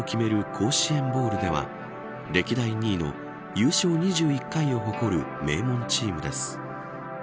甲子園ボウルでは歴代２位の優勝２１回を誇る名門チームです。